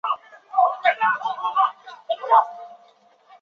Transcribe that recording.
该物种的模式产地在琉球群岛。